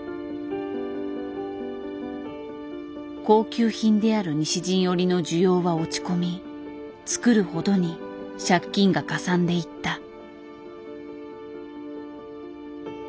高級品である西陣織の需要は落ち込み作るほどに借金がかさんでいった。